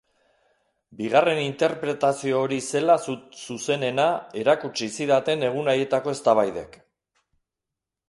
Bigarren interpretazio hori zela zuzenena erakutsi zidaten egun haietako eztabaidek.